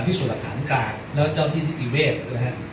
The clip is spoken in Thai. พิสูจน์หักฐานการ์ดแล้วเจ้าทีสิตีเวทย์นะครับ